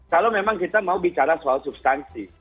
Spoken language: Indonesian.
kalau memang kita mau bicara soal substansi